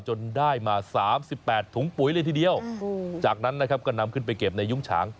จนได้มา๓๘ถุงปุ๋ยเลยทีเดียวจากนั้นนะครับก็นำขึ้นไปเก็บในยุ้งฉาง